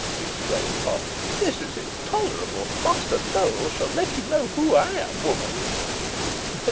exclaimed Potts; "this is intolerable. Master Nowell shall let you know who I am, woman."